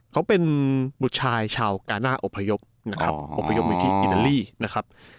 เขาเป็นบุตรชายชาวกาน่าอพยพนะครับอบพยพอยู่ที่อิตาลีนะครับ